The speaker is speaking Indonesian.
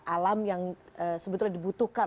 alam yang sebetulnya dibutuhkan